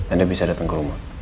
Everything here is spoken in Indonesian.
anda bisa datang ke rumah